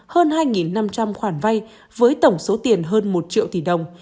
hơn hai năm trăm linh khoản vay với tổng số tiền hơn một triệu tỷ đồng